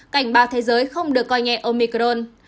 cảnh báo thế giới không được coi nhẹ omicron